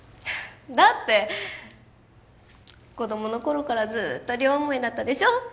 だって子供のころからずっと両思いだったでしょ？